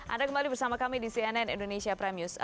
anda kembali bersama kami di cnn indonesia prime news